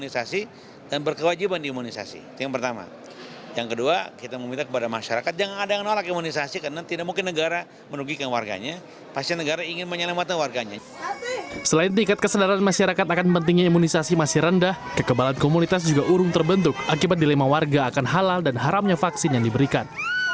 selain tingkat kesedaran masyarakat akan mempentingi imunisasi masih rendah kekebalan komunitas juga urung terbentuk akibat dilema warga akan halal dan haramnya vaksin yang diberikan